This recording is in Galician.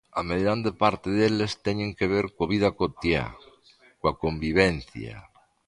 A meirande parte deles teñen que ver coa vida cotiá, coa convivencia.